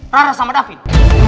rara sama david